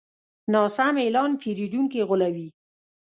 ناسم اعلان پیرودونکي غولوي.